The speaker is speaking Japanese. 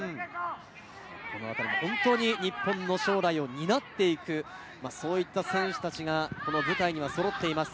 このあたりも本当に日本の将来を担っていく、そういった選手達がこの舞台にはそろっています。